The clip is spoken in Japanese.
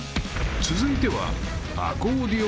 ［続いては］